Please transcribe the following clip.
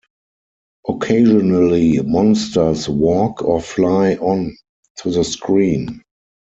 Occasionally, monsters walk or fly on to the screen.